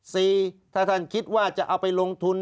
ถ้าท่านคิดว่าจะเอาไปลงทุน